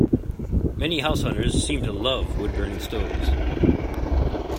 Many househunters seem to love woodburning stoves.